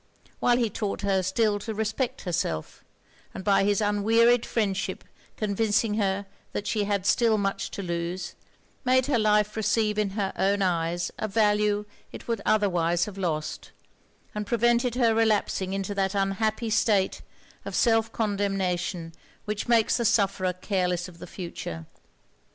while he taught her still to respect herself; and by his unwearied friendship convincing her that she had still much to lose, made her life receive in her own eyes a value it would otherwise have lost; and prevented her relapsing into that unhappy state of self condemnation which makes the sufferer careless of the future.